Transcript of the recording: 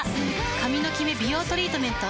髪のキメ美容トリートメント。